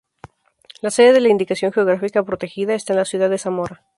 La sede de la Indicación Geográfica Protegida está en la ciudad de Zamora.